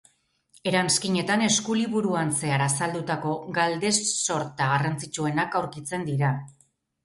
Eranskinetan, eskuliburuan zehar azaldutako galde-sorta garrantzitsuenak aurkitzen dira.